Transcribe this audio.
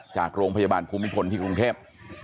จากโรงพยาบาลภูมิพลที่กรุงเทพ